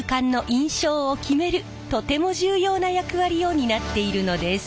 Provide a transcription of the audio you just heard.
とても重要な役割を担っているのです。